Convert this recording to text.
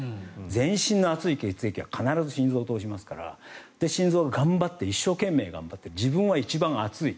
全身の熱い血液は必ず心臓を通しますから心臓が一生懸命、頑張って自分は一番暑い。